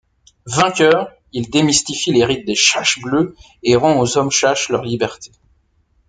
Vainqueur, il démystifie les rites des Chaschs bleus et rend aux Hommes-Chaschs leur liberté.